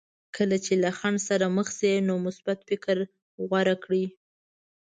کله چې له خنډ سره مخ شئ نو مثبت فکر غوره کړئ.